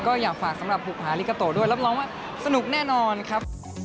ก็อยากฝากสำหรับบุภาลิกาโตด้วยรับรองว่าสนุกแน่นอนครับ